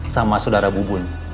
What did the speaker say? sama saudara bubun